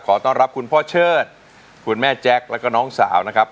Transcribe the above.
ขอต้อนรับคุณพ่อเชิดคุณแม่แจ็คแล้วก็น้องสาวนะครับ